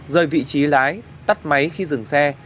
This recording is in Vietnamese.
rời vị trí lái tắt máy khi dừng xe